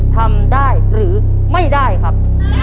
ทำได้หรือไม่ได้ครับ